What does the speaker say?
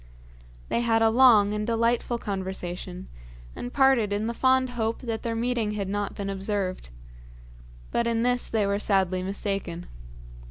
They had a long and delightful conversation, and parted in the fond hope that their meeting had not been observed. But in this they were sadly mistaken.